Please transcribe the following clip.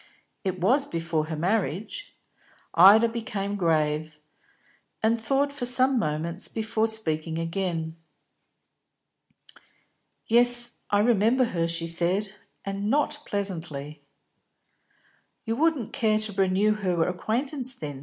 "It was, before her marriage." Ida became grave, and thought for some moments before speaking again. "Yes, I remember her," she said, "and not pleasantly." "You wouldn't care to renew her acquaintance then?"